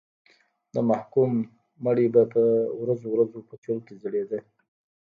د محکوم مړی به په ورځو ورځو په چوک کې ځړېده.